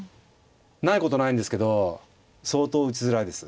ないことないんですけど相当打ちづらいです。